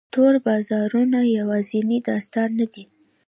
تور بازارونه یوازینی داستان نه دی.